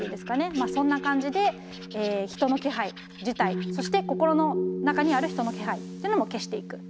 まあそんな感じで人の気配自体そして心の中にある人の気配っていうのも消していく。